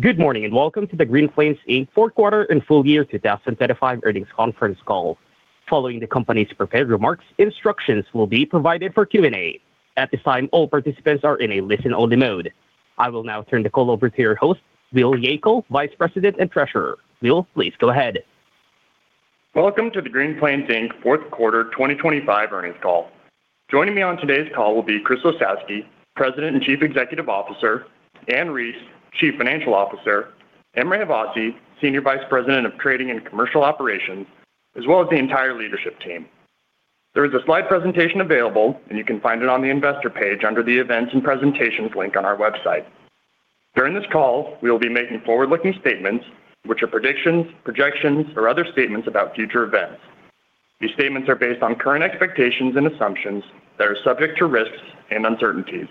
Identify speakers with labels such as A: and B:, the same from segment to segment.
A: Good morning, and welcome to the Green Plains Inc. Fourth Quarter and Full Year 2025 Earnings Conference Call. Following the company's prepared remarks, instructions will be provided for Q&A. At this time, all participants are in a listen-only mode. I will now turn the call over to your host, Will Yeakel, Vice President and Treasurer. Will, please go ahead.
B: Welcome to the Green Plains Inc. Fourth Quarter 2025 earnings call. Joining me on today's call will be Chris Osowski, President and Chief Executive Officer, Ann Reis, Chief Financial Officer, Emre Havasi, Senior Vice President of Trading and Commercial Operations, as well as the entire leadership team. There is a slide presentation available, and you can find it on the investor page under the Events and Presentations link on our website. During this call, we will be making forward-looking statements, which are predictions, projections, or other statements about future events. These statements are based on current expectations and assumptions that are subject to risks and uncertainties.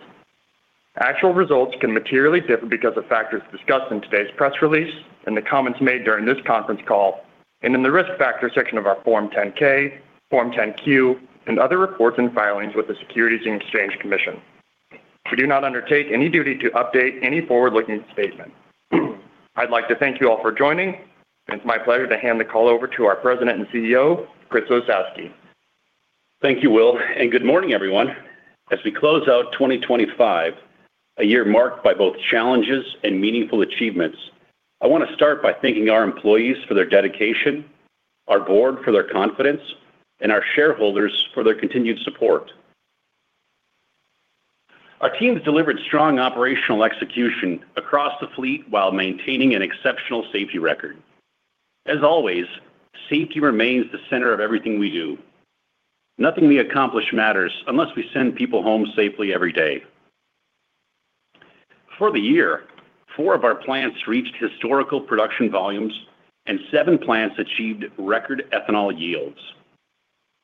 B: Actual results can materially differ because of factors discussed in today's press release and the comments made during this conference call and in the Risk Factors section of our Form 10-K, Form 10-Q, and other reports and filings with the Securities and Exchange Commission. We do not undertake any duty to update any forward-looking statement. I'd like to thank you all for joining, and it's my pleasure to hand the call over to our President and CEO, Chris Osowski.
C: Thank you, Will, and good morning, everyone. As we close out 2025, a year marked by both challenges and meaningful achievements, I want to start by thanking our employees for their dedication, our board for their confidence, and our shareholders for their continued support. Our team has delivered strong operational execution across the fleet while maintaining an exceptional safety record. As always, safety remains the center of everything we do. Nothing we accomplish matters unless we send people home safely every day. For the year, four of our plants reached historical production volumes, and seven plants achieved record ethanol yields.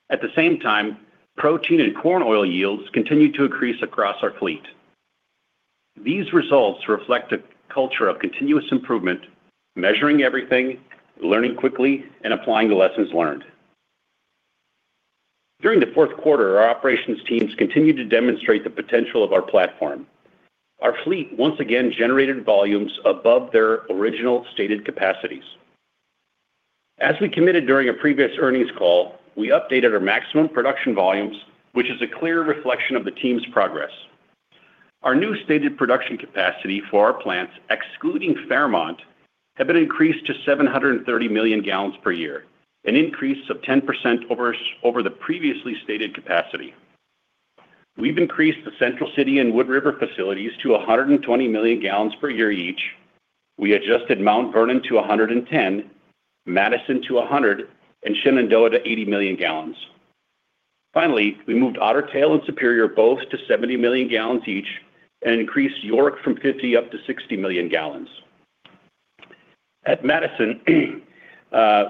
C: At the same time, protein and corn oil yields continued to increase across our fleet. These results reflect a culture of continuous improvement, measuring everything, learning quickly, and applying the lessons learned. During the fourth quarter, our operations teams continued to demonstrate the potential of our platform. Our fleet once again generated volumes above their original stated capacities. As we committed during a previous earnings call, we updated our maximum production volumes, which is a clear reflection of the team's progress. Our new stated production capacity for our plants, excluding Fairmont, have been increased to 730 million gallons per year, an increase of 10% over the previously stated capacity. We've increased the Central City and Wood River facilities to 120 million gallons per year each. We adjusted Mount Vernon to 110, Madison to 100, and Shenandoah to 80 million gallons. Finally, we moved Otter Tail and Superior both to 70 million gallons each and increased York from 50 up to 60 million gallons. At Madison,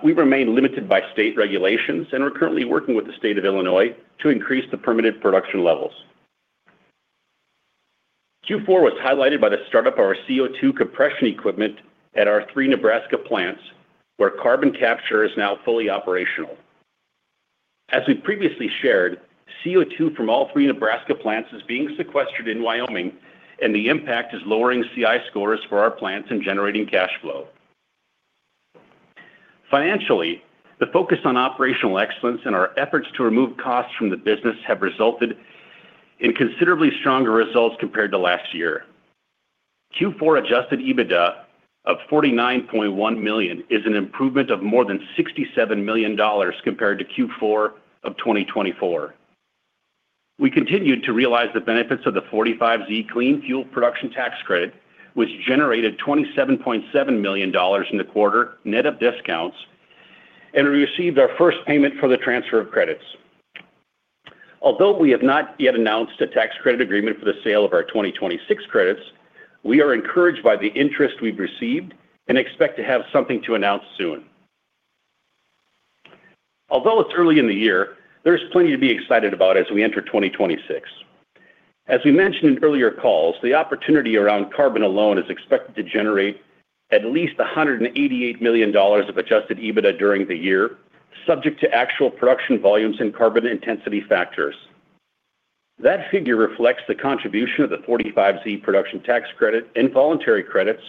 C: we remain limited by state regulations and are currently working with the State of Illinois to increase the permitted production levels. Q4 was highlighted by the startup of our CO2 compression equipment at our three Nebraska plants, where carbon capture is now fully operational. As we previously shared, CO2 from all three Nebraska plants is being sequestered in Wyoming, and the impact is lowering CI scores for our plants and generating cash flow. Financially, the focus on operational excellence and our efforts to remove costs from the business have resulted in considerably stronger results compared to last year. Q4 adjusted EBITDA of $49.1 million is an improvement of more than $67 million compared to Q4 of 2024. We continued to realize the benefits of the 45Z Clean Fuel Production Tax Credit, which generated $27.7 million in the quarter, net of discounts, and we received our first payment for the transfer of credits. Although we have not yet announced a tax credit agreement for the sale of our 2026 credits, we are encouraged by the interest we've received and expect to have something to announce soon. Although it's early in the year, there's plenty to be excited about as we enter 2026. As we mentioned in earlier calls, the opportunity around carbon alone is expected to generate at least $188 million of adjusted EBITDA during the year, subject to actual production volumes and carbon intensity factors. That figure reflects the contribution of the 45Z production tax credit and voluntary credits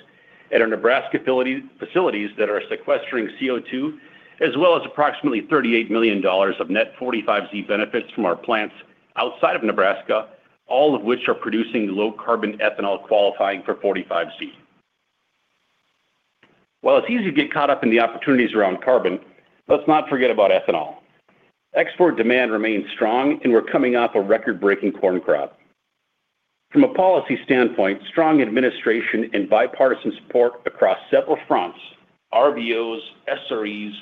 C: at our Nebraska eligible facilities that are sequestering CO2, as well as approximately $38 million of net 45Z benefits from our plants outside of Nebraska, all of which are producing low-carbon ethanol, qualifying for 45Z. While it's easy to get caught up in the opportunities around carbon, let's not forget about ethanol. Export demand remains strong, and we're coming off a record-breaking corn crop. From a policy standpoint, strong administration and bipartisan support across several fronts, RVOs, SREs,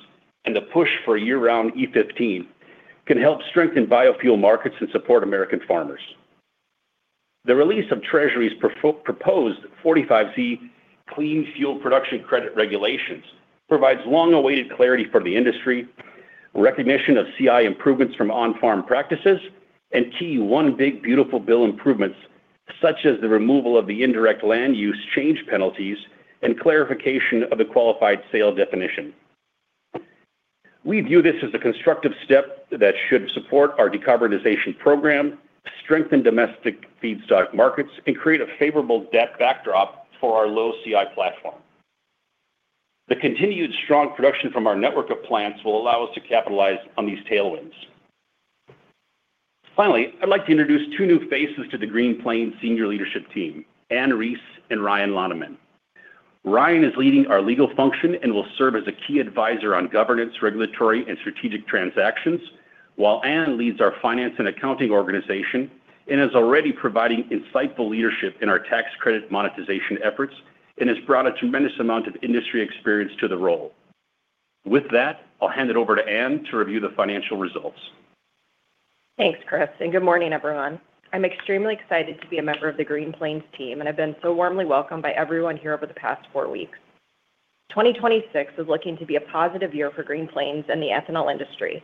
C: and the push for year-round E15, can help strengthen biofuel markets and support American farmers. The release of Treasury's proposed 45Z Clean Fuel Production Credit Regulations provides long-awaited clarity for the industry, recognition of CI improvements from on-farm practices, and key one big beautiful bill improvements, such as the removal of the indirect land use change penalties and clarification of the qualified sale definition. We view this as a constructive step that should support our decarbonization program, strengthen domestic feedstock markets, and create a favorable debt backdrop for our low CI platform. The continued strong production from our network of plants will allow us to capitalize on these tailwinds. Finally, I'd like to introduce two new faces to the Green Plains senior leadership team, Ann Reis and Ryan Loneman. Ryan is leading our legal function and will serve as a key advisor on governance, regulatory, and strategic transactions, while Ann leads our finance and accounting organization and is already providing insightful leadership in our tax credit monetization efforts and has brought a tremendous amount of industry experience to the role. With that, I'll hand it over to Ann to review the financial results.
D: Thanks, Chris, and good morning, everyone. I'm extremely excited to be a member of the Green Plains team, and I've been so warmly welcomed by everyone here over the past four weeks. 2026 is looking to be a positive year for Green Plains and the ethanol industry.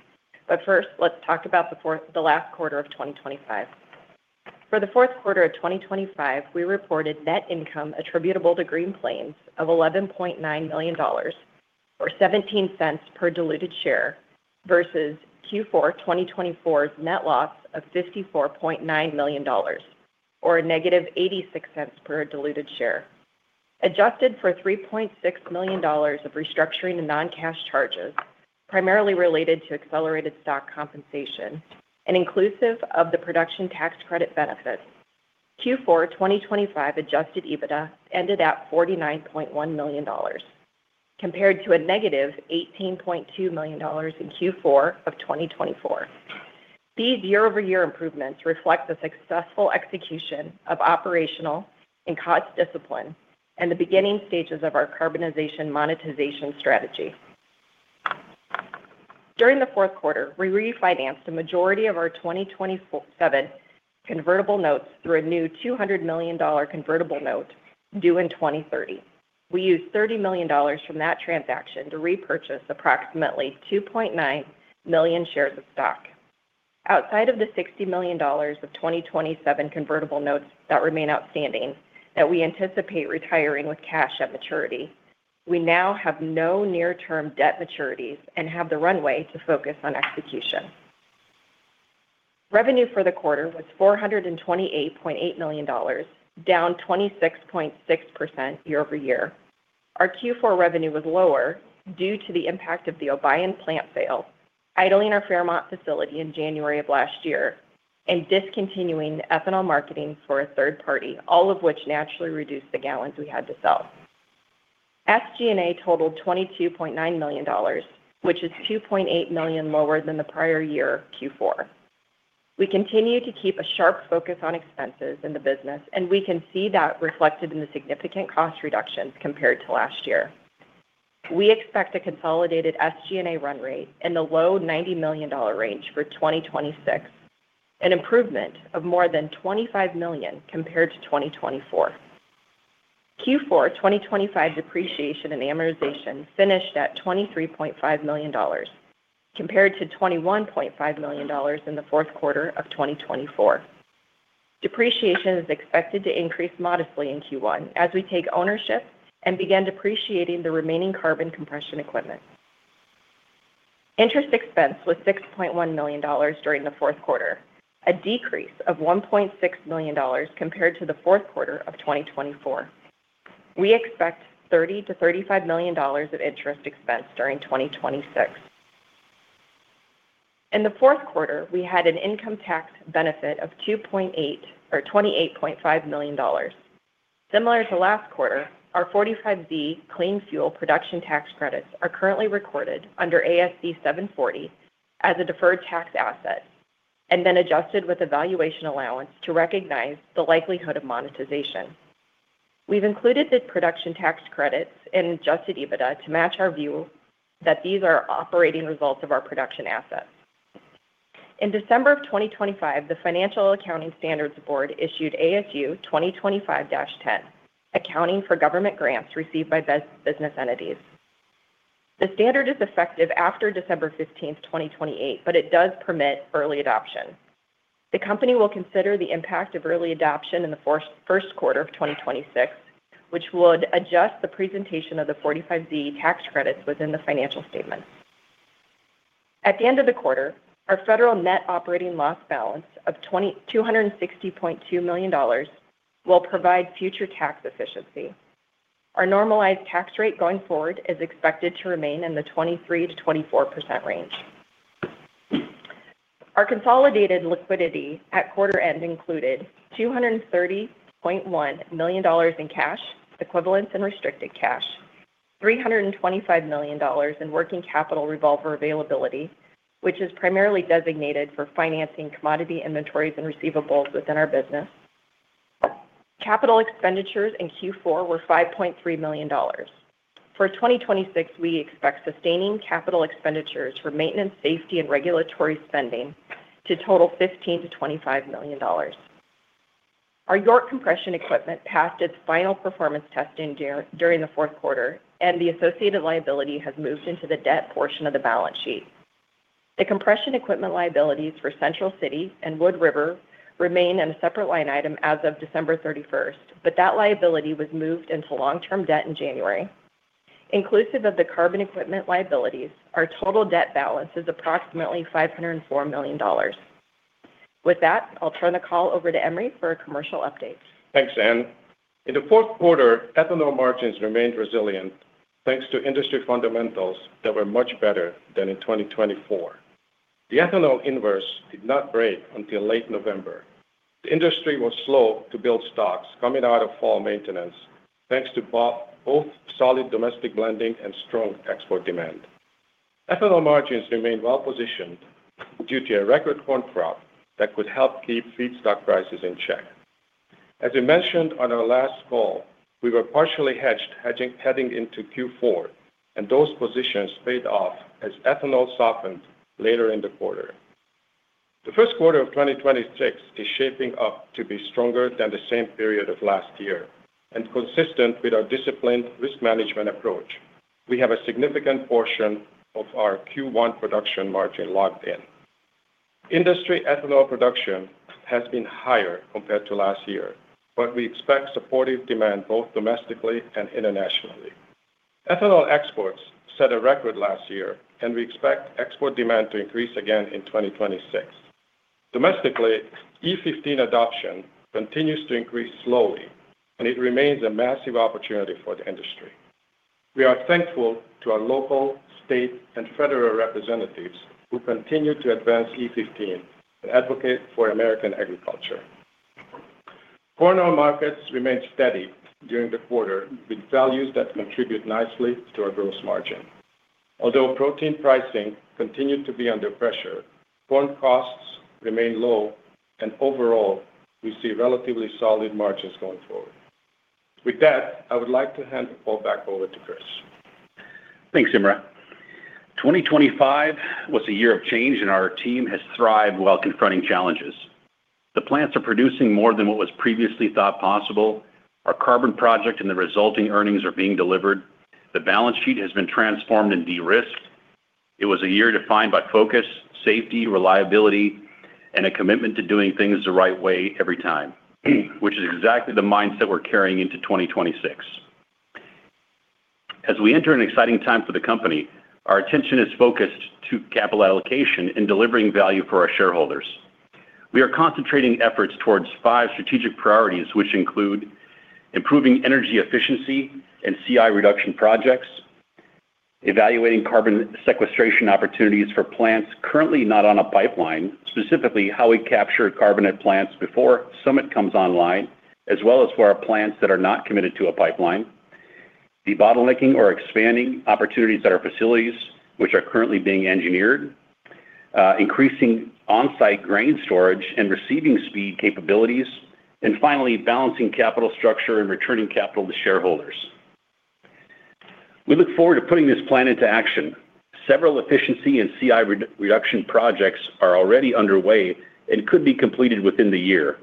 D: But first, let's talk about the last quarter of 2025. For the fourth quarter of 2025, we reported net income attributable to Green Plains of $11.9 million, or $0.17 per diluted share, versus Q4 2024's net loss of $54.9 million or -$0.86 per diluted share. Adjusted for $3.6 million of restructuring and non-cash charges, primarily related to accelerated stock compensation and inclusive of the production tax credit benefits, Q4 2025 adjusted EBITDA ended at $49.1 million, compared to -$18.2 million in Q4 2024. These year-over-year improvements reflect the successful execution of operational and cost discipline and the beginning stages of our carbonization monetization strategy. During the fourth quarter, we refinanced the majority of our 2027 convertible notes through a new $200 million convertible note due in 2030. We used $30 million from that transaction to repurchase approximately 2.9 million shares of stock. Outside of the $60 million of 2027 convertible notes that remain outstanding that we anticipate retiring with cash at maturity, we now have no near-term debt maturities and have the runway to focus on execution. Revenue for the quarter was $428.8 million, down 26.6% year-over-year. Our Q4 revenue was lower due to the impact of the Obion plant sale, idling our Fairmont facility in January of last year, and discontinuing ethanol marketing for a third party, all of which naturally reduced the gallons we had to sell. SG&A totaled $22.9 million, which is $2.8 million lower than the prior year Q4. We continue to keep a sharp focus on expenses in the business, and we can see that reflected in the significant cost reductions compared to last year. We expect a consolidated SG&A run rate in the low $90 million range for 2026, an improvement of more than $25 million compared to 2024. Q4 2025 depreciation and amortization finished at $23.5 million, compared to $21.5 million in the fourth quarter of 2024. Depreciation is expected to increase modestly in Q1 as we take ownership and begin depreciating the remaining carbon compression equipment. Interest expense was $6.1 million during the fourth quarter, a decrease of $1.6 million compared to the fourth quarter of 2024. We expect $30 million-$35 million of interest expense during 2026. In the fourth quarter, we had an income tax benefit of 2.8 or 28.5 million dollars. Similar to last quarter, our 45Z clean fuel production tax credits are currently recorded under ASC 740 as a deferred tax asset and then adjusted with a valuation allowance to recognize the likelihood of monetization. We've included the production tax credits in adjusted EBITDA to match our view that these are operating results of our production assets. In December of 2025, the Financial Accounting Standards Board issued ASU 2025-10, accounting for government grants received by business entities. The standard is effective after December 15th, 2028, but it does permit early adoption. The company will consider the impact of early adoption in the first quarter of 2026, which would adjust the presentation of the 45Z tax credits within the financial statements. At the end of the quarter, our federal net operating loss balance of $2,260.2 million will provide future tax efficiency. Our normalized tax rate going forward is expected to remain in the 23%-24% range. Our consolidated liquidity at quarter end included $230.1 million in cash equivalents and restricted cash, $325 million in working capital revolver availability, which is primarily designated for financing commodity inventories and receivables within our business. Capital expenditures in Q4 were $5.3 million. For 2026, we expect sustaining capital expenditures for maintenance, safety, and regulatory spending to total $15 million-$25 million. Our York compression equipment passed its final performance testing during the fourth quarter, and the associated liability has moved into the debt portion of the balance sheet. The compression equipment liabilities for Central City and Wood River remain in a separate line item as of December 31st, but that liability was moved into long-term debt in January. Inclusive of the carbon equipment liabilities, our total debt balance is approximately $504 million. With that, I'll turn the call over to Emre for a commercial update.
E: Thanks, Ann. In the fourth quarter, ethanol margins remained resilient, thanks to industry fundamentals that were much better than in 2024. The ethanol inverse did not break until late November. The industry was slow to build stocks coming out of fall maintenance, thanks to both solid domestic blending and strong export demand. Ethanol margins remained well-positioned due to a record corn crop that could help keep feedstock prices in check. As we mentioned on our last call, we were partially hedged, heading into Q4, and those positions paid off as ethanol softened later in the quarter. The first quarter of 2026 is shaping up to be stronger than the same period of last year, and consistent with our disciplined risk management approach. We have a significant portion of our Q1 production margin logged in. Industry ethanol production has been higher compared to last year, but we expect supportive demand both domestically and internationally. Ethanol exports set a record last year, and we expect export demand to increase again in 2026. Domestically, E15 adoption continues to increase slowly, and it remains a massive opportunity for the industry. We are thankful to our local, state, and federal representatives who continue to advance E15 and advocate for American agriculture. Corn oil markets remained steady during the quarter, with values that contribute nicely to our gross margin. Although protein pricing continued to be under pressure, corn costs remain low, and overall, we see relatively solid margins going forward. With that, I would like to hand the call back over to Chris.
C: Thanks, Imre. 2025 was a year of change, and our team has thrived while confronting challenges. The plants are producing more than what was previously thought possible. Our carbon project and the resulting earnings are being delivered. The balance sheet has been transformed and de-risked. It was a year defined by focus, safety, reliability, and a commitment to doing things the right way every time, which is exactly the mindset we're carrying into 2026. As we enter an exciting time for the company, our attention is focused to capital allocation and delivering value for our shareholders. We are concentrating efforts towards five strategic priorities, which include: improving energy efficiency and CI reduction projects, evaluating carbon sequestration opportunities for plants currently not on a pipeline, specifically, how we capture carbon at plants before summit comes online, as well as for our plants that are not committed to a pipeline, debottlenecking or expanding opportunities at our facilities, which are currently being engineered, increasing on-site grain storage and receiving speed capabilities, and finally, balancing capital structure and returning capital to shareholders. We look forward to putting this plan into action. Several efficiency and CI reduction projects are already underway and could be completed within the year.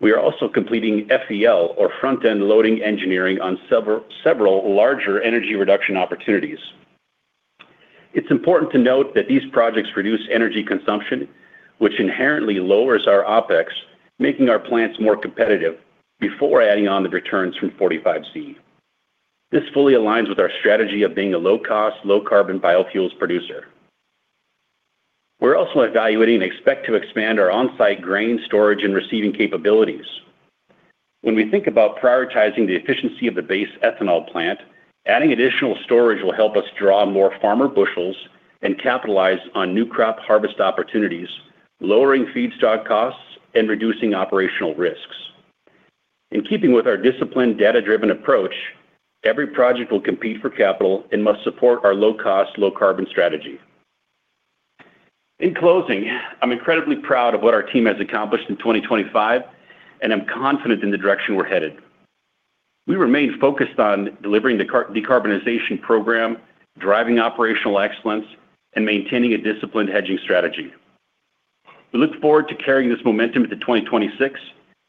C: We are also completing FEL, or front-end loading engineering, on several larger energy reduction opportunities. It's important to note that these projects reduce energy consumption, which inherently lowers our OpEx, making our plants more competitive before adding on the returns from 45Z. This fully aligns with our strategy of being a low-cost, low-carbon biofuels producer. We're also evaluating and expect to expand our on-site grain storage and receiving capabilities. When we think about prioritizing the efficiency of the base ethanol plant, adding additional storage will help us draw more farmer bushels and capitalize on new crop harvest opportunities, lowering feedstock costs and reducing operational risks. In keeping with our disciplined, data-driven approach, every project will compete for capital and must support our low-cost, low-carbon strategy. In closing, I'm incredibly proud of what our team has accomplished in 2025, and I'm confident in the direction we're headed. We remain focused on delivering the carbon decarbonization program, driving operational excellence, and maintaining a disciplined hedging strategy. We look forward to carrying this momentum into 2026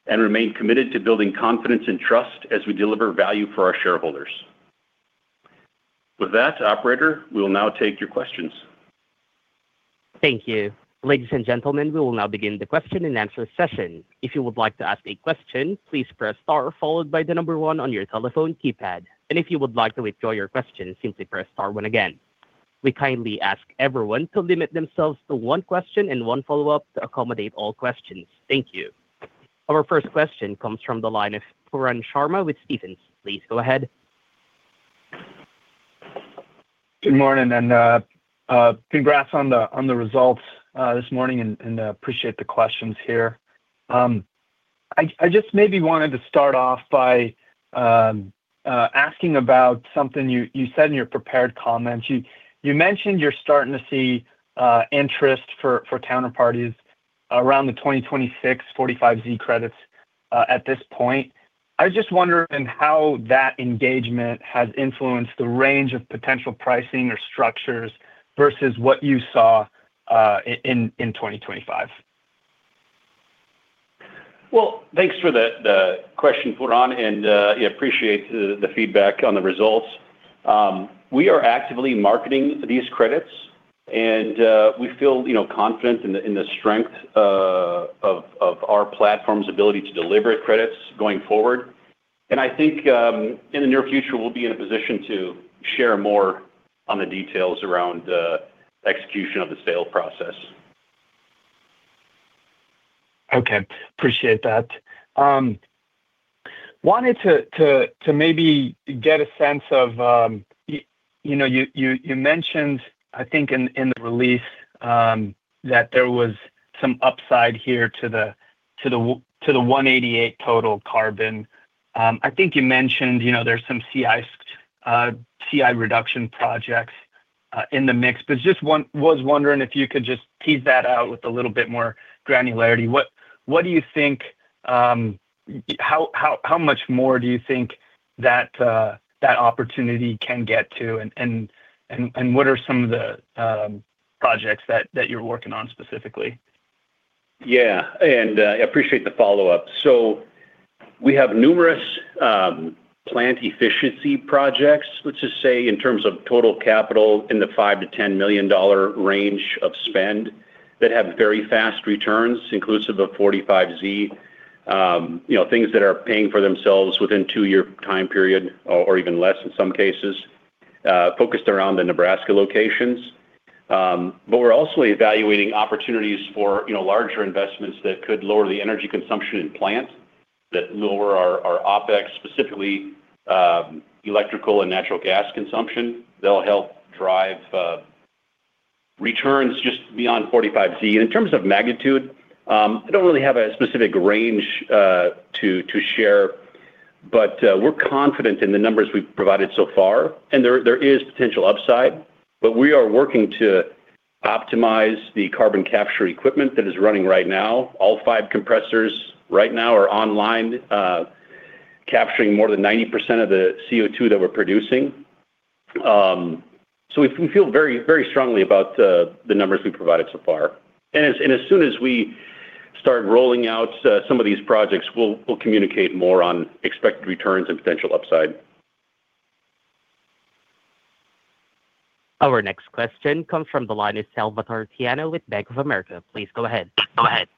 C: and remain committed to building confidence and trust as we deliver value for our shareholders. With that, operator, we will now take your questions.
A: Thank you. Ladies and gentlemen, we will now begin the question and answer session. If you would like to ask a question, please press star followed by the number one on your telephone keypad. And if you would like to withdraw your question, simply press star one again. We kindly ask everyone to limit themselves to one question and one follow-up to accommodate all questions. Thank you. Our first question comes from the line of Pooran Sharma with Stephens. Please go ahead.
F: Good morning, and congrats on the results this morning, and appreciate the questions here. I just maybe wanted to start off by asking about something you said in your prepared comments. You mentioned you're starting to see interest for counterparties around the 2026 45Z credits at this point. I was just wondering how that engagement has influenced the range of potential pricing or structures versus what you saw in 2025?...
C: Well, thanks for the question, Furhan, and yeah, appreciate the feedback on the results. We are actively marketing these credits, and we feel, you know, confident in the strength of our platform's ability to deliver credits going forward. I think, in the near future, we'll be in a position to share more on the details around the execution of the sale process.
F: Okay. Appreciate that. Wanted to maybe get a sense of, you know, you mentioned, I think in the release, that there was some upside here to the 188 total carbon. I think you mentioned, you know, there's some CI reduction projects in the mix. But just was wondering if you could just tease that out with a little bit more granularity. What do you think, how much more do you think that opportunity can get to, and what are some of the projects that you're working on specifically?
C: Yeah, and I appreciate the follow-up. So we have numerous plant efficiency projects, let's just say, in terms of total capital, in the $5-$10 million range of spend, that have very fast returns, inclusive of 45Z. You know, things that are paying for themselves within two-year time period or even less in some cases, focused around the Nebraska locations. But we're also evaluating opportunities for, you know, larger investments that could lower the energy consumption in plant, that lower our OpEx, specifically, electrical and natural gas consumption. They'll help drive returns just beyond 45Z. In terms of magnitude, I don't really have a specific range to share, but we're confident in the numbers we've provided so far, and there is potential upside. But we are working to optimize the carbon capture equipment that is running right now. All five compressors right now are online, capturing more than 90% of the CO2 that we're producing. So we feel very, very strongly about the numbers we've provided so far. And as soon as we start rolling out some of these projects, we'll communicate more on expected returns and potential upside.
A: Our next question comes from the line of Salvatore Tiano with Bank of America. Please go ahead. Go ahead.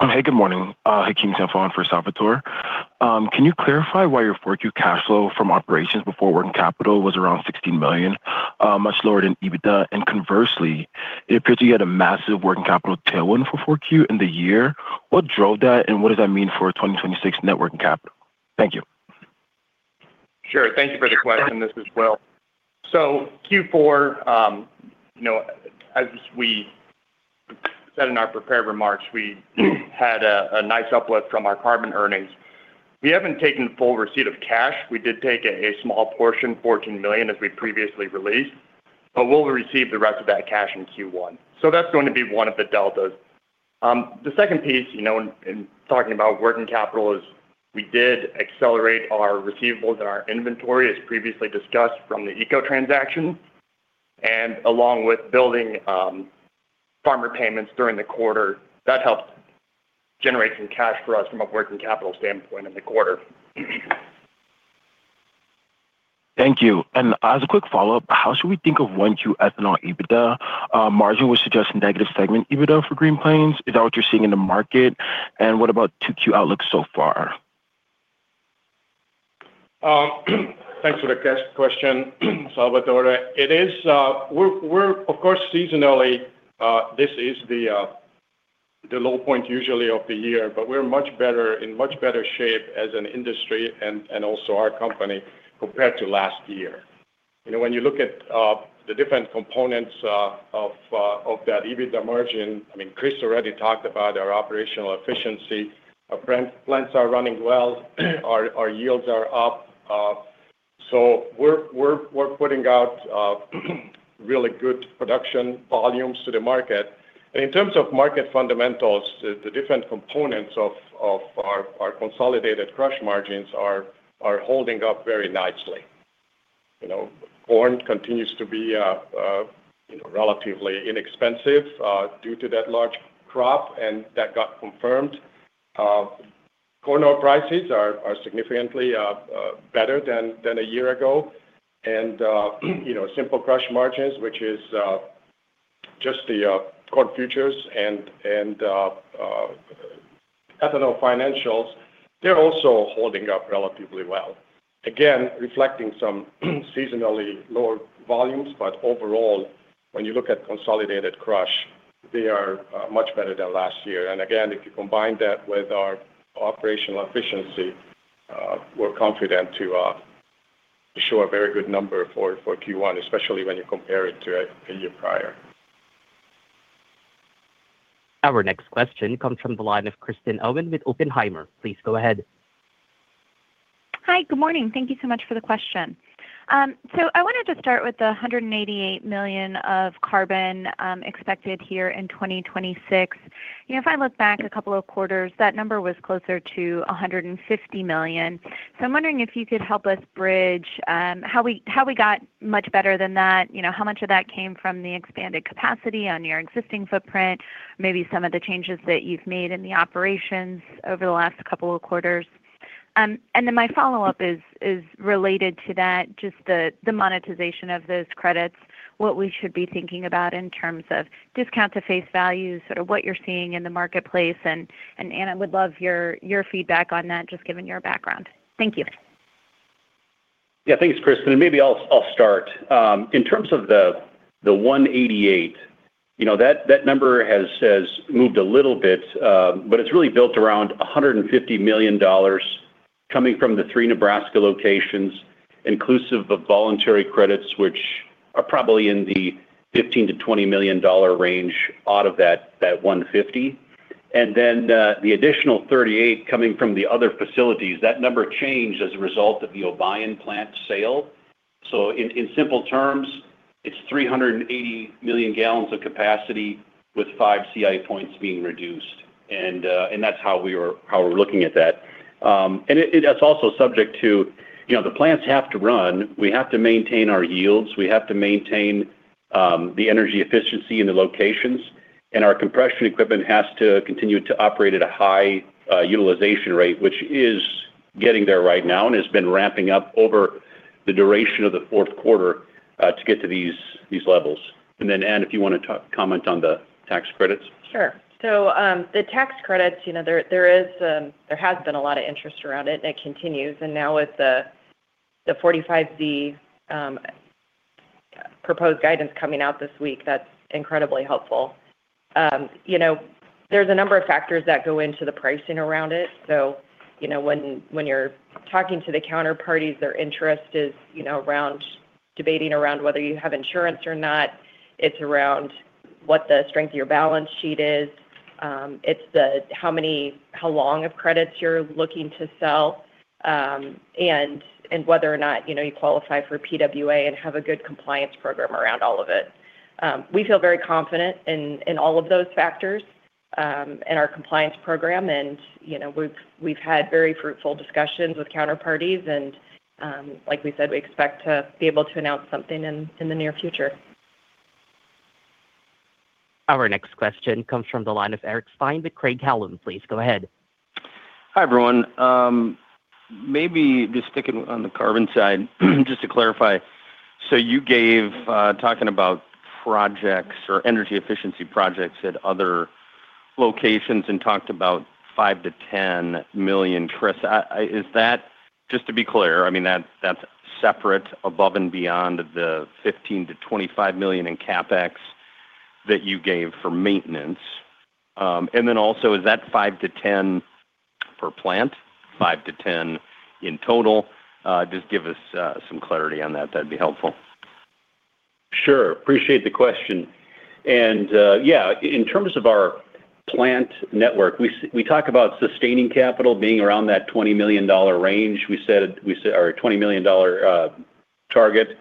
G: Hey, good morning. Hey, King Safon for Salvatore. Can you clarify why your 4Q cash flow from operations before working capital was around $16 million, much lower than EBITDA? And conversely, it appears you had a massive working capital tailwind for 4Q in the year. What drove that, and what does that mean for 2026 net working capital? Thank you.
C: Sure. Thank you for the question. This is Will. So Q4, you know, as we said in our prepared remarks, we had a nice uplift from our carbon earnings. We haven't taken full receipt of cash. We did take a small portion, $14 million, as we previously released, but we'll receive the rest of that cash in Q1. So that's going to be one of the deltas. The second piece, you know, in talking about working capital is we did accelerate our receivables and our inventory, as previously discussed, from the eco transaction, and along with building farmer payments during the quarter, that helped generate some cash for us from a working capital standpoint in the quarter.
G: Thank you. As a quick follow-up, how should we think of 1Q ethanol EBITDA? Margin was suggesting negative segment EBITDA for Green Plains. Is that what you're seeing in the market, and what about 2Q outlook so far?
E: Thanks for the question, Salvatore. It is, we're of course, seasonally, this is the low point usually of the year, but we're much better, in much better shape as an industry and also our company, compared to last year. You know, when you look at the different components of that EBITDA margin, I mean, Chris already talked about our operational efficiency. Our plants are running well, our yields are up. So we're putting out really good production volumes to the market. And in terms of market fundamentals, the different components of our consolidated crush margins are holding up very nicely. You know, corn continues to be you know relatively inexpensive due to that large crop, and that got confirmed. Corn oil prices are significantly better than a year ago. And you know, simple crush margins, which is just the corn futures and ethanol financials, they're also holding up relatively well. Again, reflecting some seasonally lower volumes, but overall, when you look at consolidated crush, they are much better than last year. And again, if you combine that with our operational efficiency, we're confident to show a very good number for Q1, especially when you compare it to the year prior.
A: Our next question comes from the line of Kristen Owen with Oppenheimer. Please go ahead.
H: Hi, good morning. Thank you so much for the question. So I wanted to start with the $188 million of carbon expected here in 2026. You know, if I look back a couple of quarters, that number was closer to $150 million. So I'm wondering if you could help us bridge how we got much better than that. You know, how much of that came from the expanded capacity on your existing footprint, maybe some of the changes that you've made in the operations over the last couple of quarters? And then my follow-up is related to that, just the monetization of those credits, what we should be thinking about in terms of discount to face value, sort of what you're seeing in the marketplace. And Ann would love your feedback on that, just given your background. Thank you.
C: Yeah. Thanks, Kristen, and maybe I'll start. In terms of the 188, you know, that number has moved a little bit, but it's really built around $150 million coming from the three Nebraska locations, inclusive of voluntary credits, which are probably in the $15-$20 million range out of that 150. And then the additional 38 coming from the other facilities, that number changed as a result of the Obion plant sale. So in simple terms, it's 380 million gallons of capacity with 5 CI points being reduced. And that's how we're looking at that. And it, that's also subject to, you know, the plants have to run. We have to maintain our yields, we have to maintain the energy efficiency in the locations, and our compression equipment has to continue to operate at a high utilization rate, which is getting there right now and has been ramping up over the duration of the fourth quarter to get to these levels. And then, Ann, if you want to talk, comment on the tax credits.
D: Sure. So, the tax credits, you know, there, there is, there has been a lot of interest around it, and it continues. And now with the 45Z proposed guidance coming out this week, that's incredibly helpful. You know, there's a number of factors that go into the pricing around it. So, you know, when you're talking to the counterparties, their interest is, you know, around debating around whether you have insurance or not. It's around what the strength of your balance sheet is. It's the how many—how long of credits you're looking to sell, and whether or not, you know, you qualify for PWA and have a good compliance program around all of it. We feel very confident in all of those factors in our compliance program, and, you know, we've had very fruitful discussions with counterparties, and like we said, we expect to be able to announce something in the near future.
A: Our next question comes from the line of Eric Stine with Craig-Hallum. Please, go ahead.
I: Hi, everyone. Maybe just sticking on the carbon side, just to clarify. So you gave, talking about projects or energy efficiency projects at other locations and talked about $5 million-$10 million, Chris. Is that. Just to be clear, I mean, that's, that's separate above and beyond the $15 million-$25 million in CapEx that you gave for maintenance. And then also, is that $5 million-$10 million per plant? $5 million-$10 million in total? Just give us some clarity on that. That'd be helpful.
C: Sure. Appreciate the question. And, yeah, in terms of our plant network, we talk about sustaining capital being around that $20 million range. We said or $20 million target.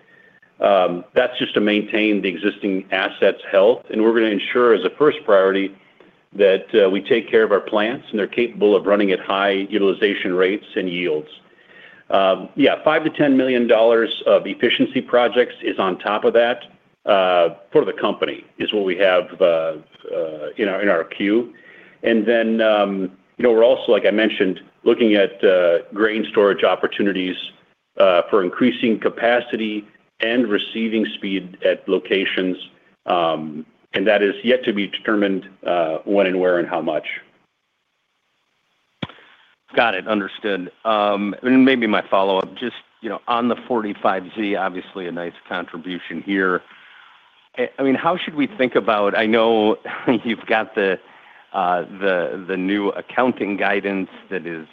C: That's just to maintain the existing assets' health, and we're going to ensure as a first priority, that we take care of our plants, and they're capable of running at high utilization rates and yields. Yeah, $5-$10 million of efficiency projects is on top of that, for the company, is what we have in our queue. And then, you know, we're also, like I mentioned, looking at grain storage opportunities for increasing capacity and receiving speed at locations, and that is yet to be determined when and where and how much.
I: Got it. Understood. And maybe my follow-up, just, you know, on the 45Z, obviously a nice contribution here. I mean, how should we think about, I know you've got the the new accounting guidance that is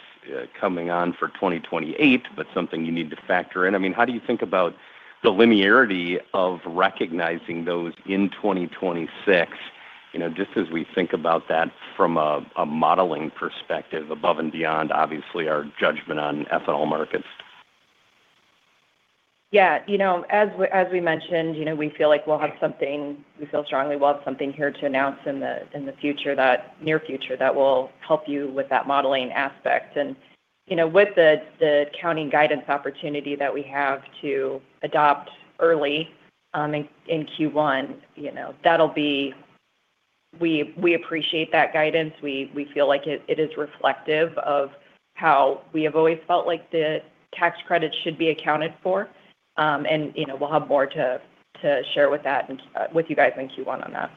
I: coming on for 2028, but something you need to factor in. I mean, how do you think about the linearity of recognizing those in 2026? You know, just as we think about that from a modeling perspective, above and beyond, obviously, our judgment on ethanol markets.
D: Yeah. You know, as we mentioned, you know, we feel like we'll have something—we feel strongly we'll have something here to announce in the near future that will help you with that modeling aspect. And, you know, with the accounting guidance opportunity that we have to adopt early in Q1, you know, that'll be. We appreciate that guidance. We feel like it is reflective of how we have always felt like the tax credit should be accounted for. And, you know, we'll have more to share with that, and with you guys in Q1 on that.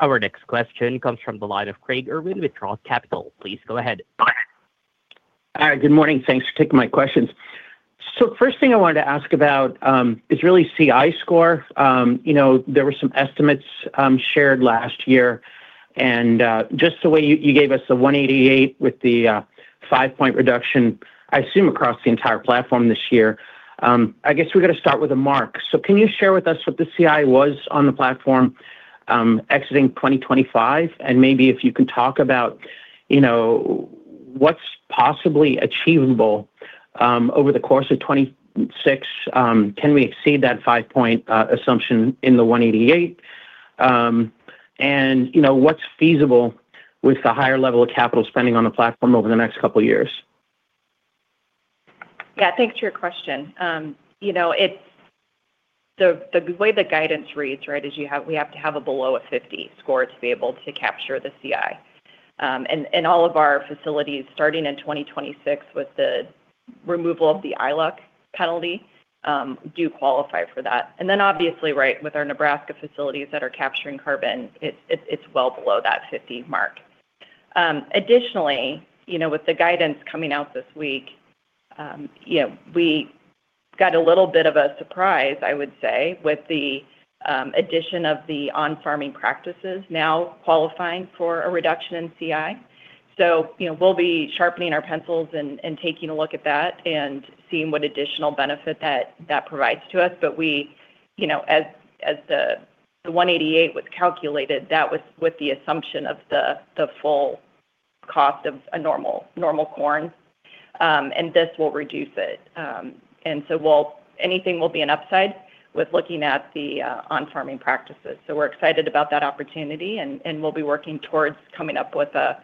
A: Our next question comes from the line of Craig Irwin with Roth Capital. Please go ahead.
J: Hi, good morning. Thanks for taking my questions. So first thing I wanted to ask about is really CI score. You know, there were some estimates shared last year, and just the way you gave us the 188 with the 5-point reduction, I assume, across the entire platform this year. I guess we're gonna start with the mark. So can you share with us what the CI was on the platform exiting 2025? And maybe if you can talk about, you know, what's possibly achievable over the course of 2026, can we exceed that 5-point assumption in the 188? And, you know, what's feasible with the higher level of capital spending on the platform over the next couple of years?...
D: Yeah, thanks for your question. You know, it's the way the guidance reads, right, is we have to have below a 50 score to be able to capture the CI. And all of our facilities, starting in 2026, with the removal of the ILOC penalty, do qualify for that. And then, obviously, right, with our Nebraska facilities that are capturing carbon, it's well below that 50 mark. Additionally, you know, with the guidance coming out this week, you know, we got a little bit of a surprise, I would say, with the addition of the on-farming practices now qualifying for a reduction in CI. So, you know, we'll be sharpening our pencils and taking a look at that, and seeing what additional benefit that provides to us. But we, you know, as the 188 was calculated, that was with the assumption of the full cost of a normal corn, and this will reduce it. And so we'll, anything will be an upside with looking at the on-farming practices. So we're excited about that opportunity, and we'll be working towards coming up with a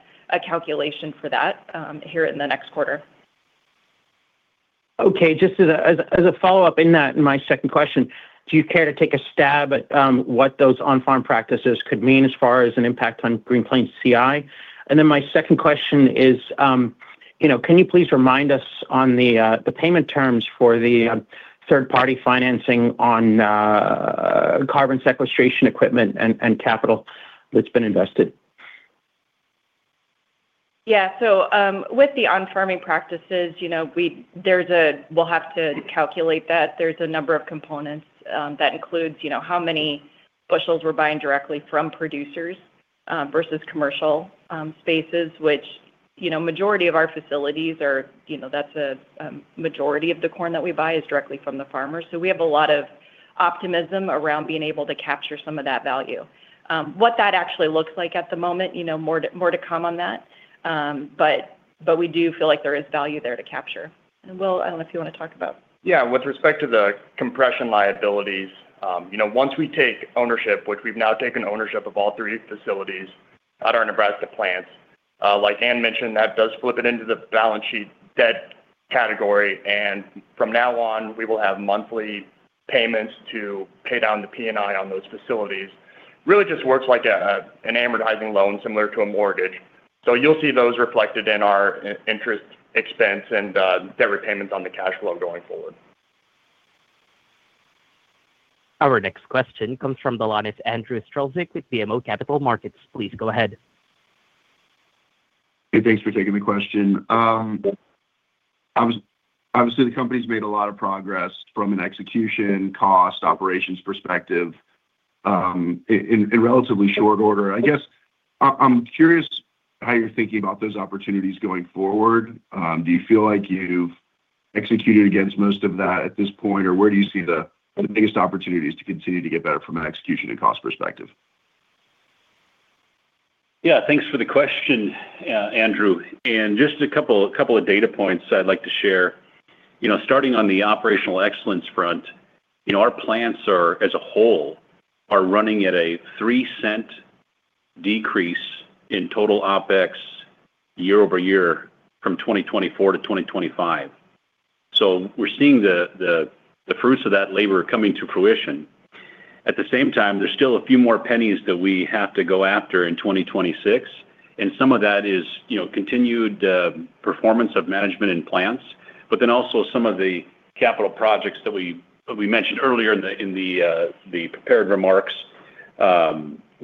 D: calculation for that here in the next quarter.
J: Okay. Just as a follow-up in that, my second question: do you care to take a stab at what those on-farm practices could mean as far as an impact on Green Plains' CI? And then my second question is, you know, can you please remind us on the payment terms for the third-party financing on carbon sequestration equipment and capital that's been invested?
D: Yeah. So, with the on-farming practices, you know, we'll have to calculate that. There's a number of components that includes, you know, how many bushels we're buying directly from producers versus commercial spaces, which, you know, majority of our facilities are... You know, that's a majority of the corn that we buy is directly from the farmers. So we have a lot of optimism around being able to capture some of that value. What that actually looks like at the moment, you know, more to come on that. But we do feel like there is value there to capture. And, Will, I don't know if you wanna talk about-
B: Yeah. With respect to the compression liabilities, you know, once we take ownership, which we've now taken ownership of all three facilities at our Nebraska plants, like Anne mentioned, that does flip it into the balance sheet debt category. And from now on, we will have monthly payments to pay down the P&I on those facilities. Really just works like an amortizing loan, similar to a mortgage. So you'll see those reflected in our interest expense and debt repayments on the cash flow going forward.
A: Our next question comes from the line of Andrew Strelzik with BMO Capital Markets. Please go ahead.
K: Hey, thanks for taking the question. Obviously, the company's made a lot of progress from an execution, cost, operations perspective, in relatively short order. I guess I'm curious how you're thinking about those opportunities going forward. Do you feel like you've executed against most of that at this point, or where do you see the biggest opportunities to continue to get better from an execution and cost perspective?
C: Yeah, thanks for the question, Andrew. And just a couple of data points I'd like to share. You know, starting on the operational excellence front, you know, our plants are, as a whole, running at a $0.03 decrease in total OpEx year-over-year from 2024 to 2025. So we're seeing the fruits of that labor coming to fruition. At the same time, there's still a few more pennies that we have to go after in 2026, and some of that is, you know, continued performance of management and plants. But then also some of the capital projects that we mentioned earlier in the prepared remarks,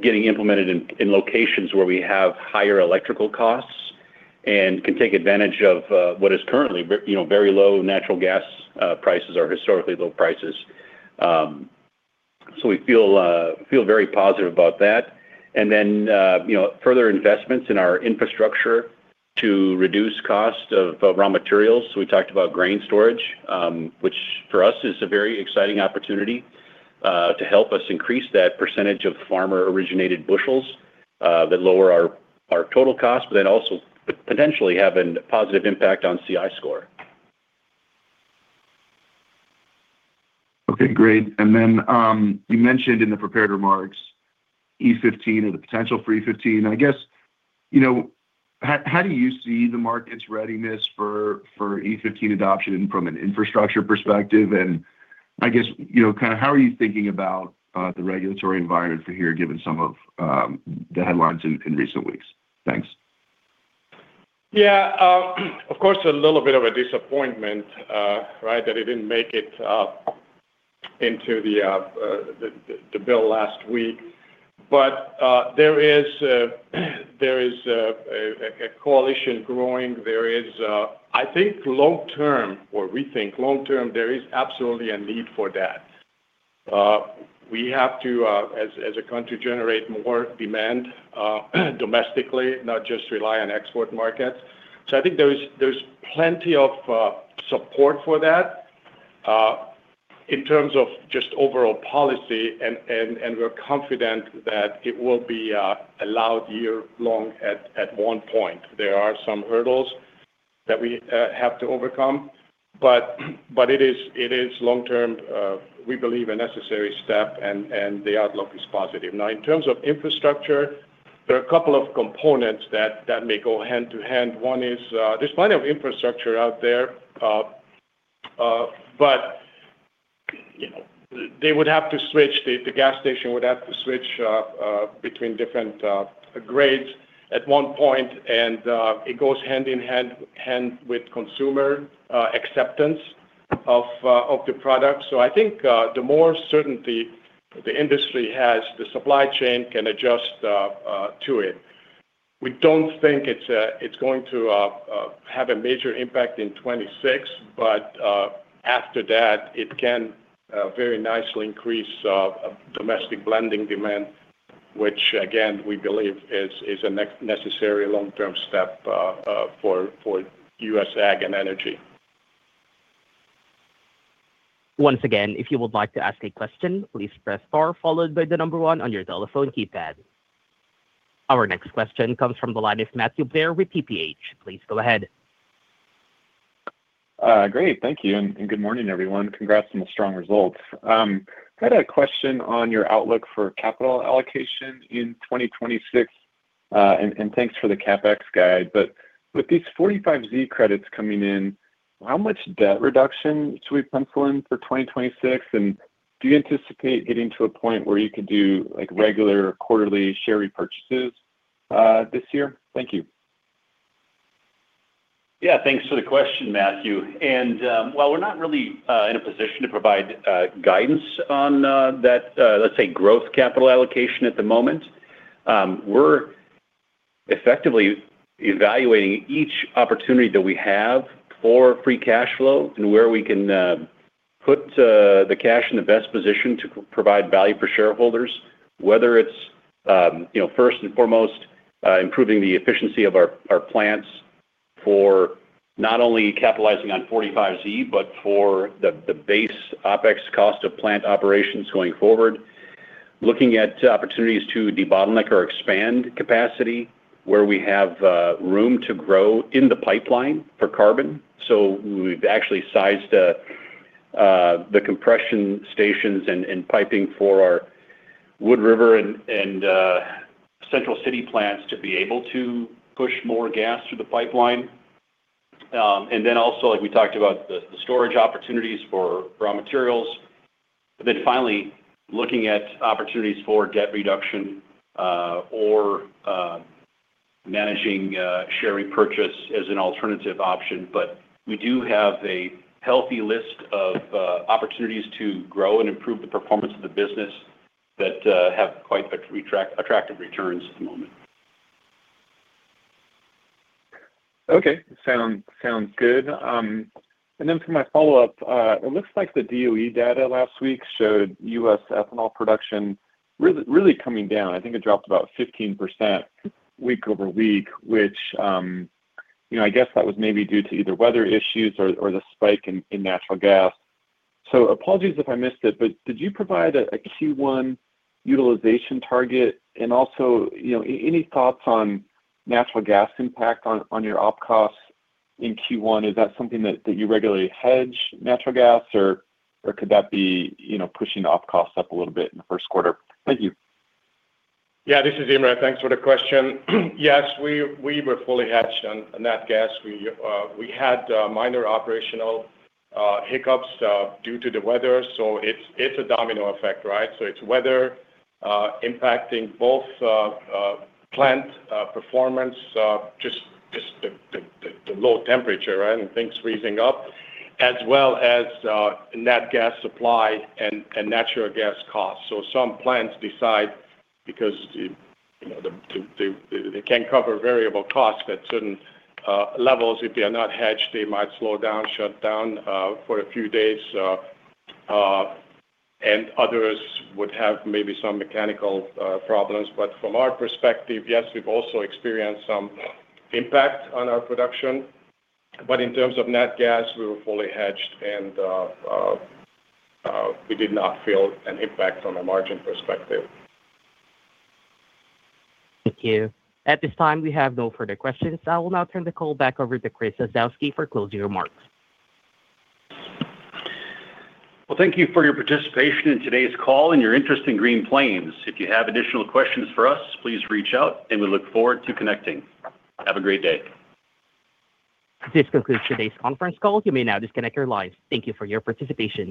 C: getting implemented in locations where we have higher electrical costs and can take advantage of what is currently, you know, very low natural gas prices or historically low prices. So we feel very positive about that. And then, you know, further investments in our infrastructure to reduce cost of raw materials. So we talked about grain storage, which for us is a very exciting opportunity to help us increase that percentage of farmer-originated bushels that lower our total cost, but then also potentially have a positive impact on CI score.
K: Okay, great. And then, you mentioned in the prepared remarks, E15 or the potential for E15. I guess, you know, how, how do you see the market's readiness for, for E15 adoption from an infrastructure perspective? And I guess, you know, kinda how are you thinking about, the regulatory environment for here, given some of, the headlines in, in recent weeks? Thanks.
E: Yeah, of course, a little bit of a disappointment, right, that it didn't make it into the bill last week. But, there is a coalition growing. There is, I think long term, or we think long term, there is absolutely a need for that. We have to, as a country, generate more demand, domestically, not just rely on export markets. So I think there's plenty of support for that, in terms of just overall policy, and we're confident that it will be allowed year-long at one point. There are some hurdles that we have to overcome, but-... But it is, it is long-term, we believe a necessary step, and, and the outlook is positive. Now, in terms of infrastructure, there are a couple of components that, that may go hand to hand. One is, there's plenty of infrastructure out there. But, you know, they would have to switch, the gas station would have to switch, between different grades at one point, and, it goes hand-in-hand, hand with consumer acceptance of, of the product. So I think, the more certainty the industry has, the supply chain can adjust, to it. We don't think it's going to have a major impact in 2026, but after that, it can very nicely increase domestic blending demand, which again, we believe is a necessary long-term step for U.S. ag and energy.
A: Once again, if you would like to ask a question, please press star followed by the number one on your telephone keypad. Our next question comes from the line of Matthew Blair with TPH. Please go ahead.
L: Great. Thank you, and good morning, everyone. Congrats on the strong results. I had a question on your outlook for capital allocation in 2026, and thanks for the CapEx guide. But with these 45Z credits coming in, how much debt reduction should we pencil in for 2026? And do you anticipate getting to a point where you could do, like, regular quarterly share repurchases, this year? Thank you.
C: Yeah, thanks for the question, Matthew. While we're not really in a position to provide guidance on that, let's say, growth capital allocation at the moment, we're effectively evaluating each opportunity that we have for free cash flow and where we can put the cash in the best position to provide value for shareholders. Whether it's, you know, first and foremost, improving the efficiency of our plants for not only capitalizing on 45Z, but for the base OpEx cost of plant operations going forward. Looking at opportunities to debottleneck or expand capacity where we have room to grow in the pipeline for carbon. So we've actually sized the compression stations and piping for our Wood River and Central City plants to be able to push more gas through the pipeline. And then also, like we talked about, the storage opportunities for raw materials. And then finally, looking at opportunities for debt reduction, or, managing, share repurchase as an alternative option. But we do have a healthy list of, opportunities to grow and improve the performance of the business that, have quite attractive returns at the moment.
L: Okay, sounds, sounds good. And then for my follow-up, it looks like the DOE data last week showed U.S. ethanol production really, really coming down. I think it dropped about 15% week-over-week, which, you know, I guess that was maybe due to either weather issues or, or the spike in, in natural gas. So apologies if I missed it, but did you provide a, a Q1 utilization target? And also, you know, any thoughts on natural gas impact on, on your op costs in Q1? Is that something that, that you regularly hedge natural gas or, or could that be, you know, pushing the op costs up a little bit in the first quarter? Thank you.
E: Yeah, this is Emre. Thanks for the question. Yes, we were fully hedged on nat gas. We had minor operational hiccups due to the weather, so it's a domino effect, right? So it's weather impacting both plant performance just the low temperature, right, and things freezing up, as well as nat gas supply and natural gas costs. So some plants decide because they can cover variable costs at certain levels. If they are not hedged, they might slow down, shut down for a few days, and others would have maybe some mechanical problems. But from our perspective, yes, we've also experienced some impact on our production. But in terms of nat gas, we were fully hedged, and we did not feel an impact from a margin perspective.
A: Thank you. At this time, we have no further questions. I will now turn the call back over to Chris Osowski for closing remarks.
C: Well, thank you for your participation in today's call and your interest in Green Plains. If you have additional questions for us, please reach out, and we look forward to connecting. Have a great day.
A: This concludes today's conference call. You may now disconnect your lines. Thank you for your participation.